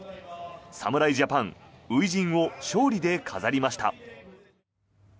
侍ジャパン初陣を勝利で飾りました。